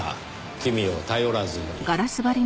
君を頼らずに。